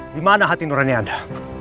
dimana hati nurani anda